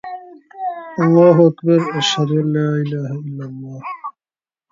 اللهاکبر، اشهدان الاله االاهلل